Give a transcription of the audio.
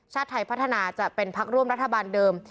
ชาติไทยพัฒนาจะเป็นพักร่วมรัฐบาลเดิม